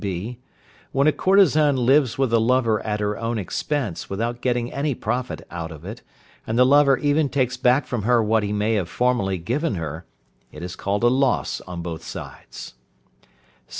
(b). When a courtesan lives with a lover at her own expense without getting any profit out of it, and the lover even takes back from her what he may have formerly given her, it is called a loss on both sides.